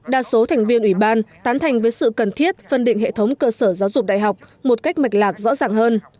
đa số thành viên ủy ban tán thành với sự cần thiết phân định hệ thống cơ sở giáo dục đại học một cách mạch lạc rõ ràng hơn